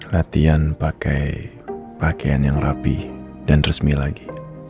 latihan pakai pakaian yang rapih dan resmi lagi